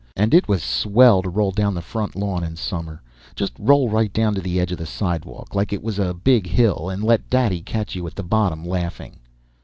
And it was swell to roll down the front lawn in summer, just roll right down to the edge of the sidewalk like it was a big hill and let Daddy catch you at the bottom, laughing.